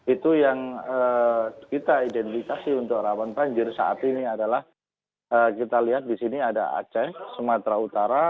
itu yang kita identifikasi untuk rawan banjir saat ini adalah kita lihat di sini ada aceh sumatera utara